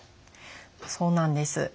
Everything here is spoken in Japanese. そうなんです。